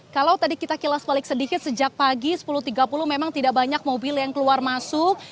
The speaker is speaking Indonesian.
kalau tadi kita kilas balik sedikit sejak pagi sepuluh tiga puluh memang tidak banyak mobil yang keluar masuk